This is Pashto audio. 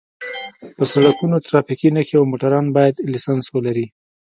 په سرکونو ټرافیکي نښې او موټروان باید لېسنس ولري